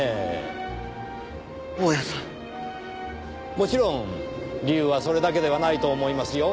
もちろん理由はそれだけではないと思いますよ。